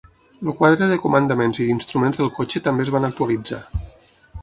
El quadre de comandaments i d'instruments del cotxe també es van actualitzar.